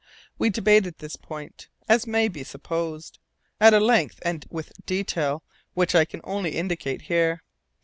We debated this point, as may be supposed, at a length and with detail which I can only indicate here.